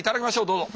どうぞ。